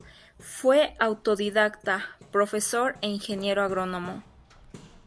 Fue autodidacta, profesor e Ingeniero agrónomo.